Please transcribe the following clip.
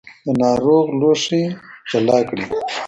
د ناروغ لوښي جلا کړئ.